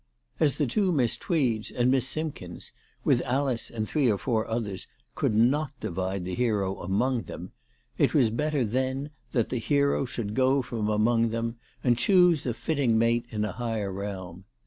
As the two Miss Tweeds, and Miss Simkins, with Alice and three or four others, could not divide the hero among them, it was better then that the hero should go from among them, and choose a fitting mate in a higher realm.